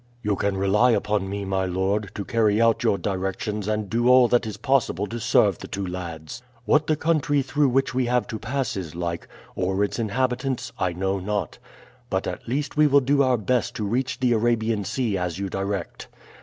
"You can rely upon me, my lord, to carry out your directions and do all that is possible to serve the two lads. What the country through which we have to pass is like, or its inhabitants, I know not, but at least we will do our best to reach the Arabian Sea as you direct.